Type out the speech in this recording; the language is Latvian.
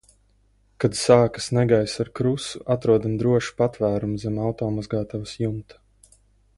Kad sākas negaiss ar krusu, atrodam drošu patvērumu zem automazgātavas jumta.